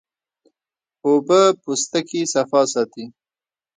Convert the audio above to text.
اوبه د پوستکي صفا ساتي